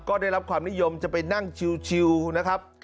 ก็ได้รับความนิยมจะไปนั่งชิวนะครับ